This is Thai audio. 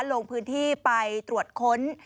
ลงพื้นที่ไปตรวจค้น